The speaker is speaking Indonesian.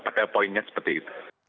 padahal poinnya seperti itu